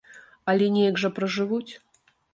Але неяк жа пражывуць!